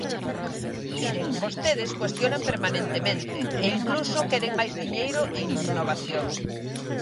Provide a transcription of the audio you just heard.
Miren, vostedes cuestionan permanentemente, e incluso queren máis diñeiro en innovación.